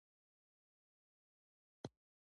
• غاښونه د بدن د ښکلا یوه برخه ده.